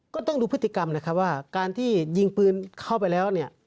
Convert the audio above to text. ก็ต้องดูพฤติกรรมนะครับว่าการที่ยิงปืนเข้าไปแล้วเนี่ย